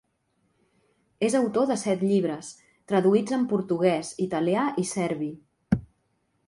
És autor de set llibres, traduïts en portuguès, italià i serbi.